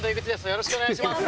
よろしくお願いします。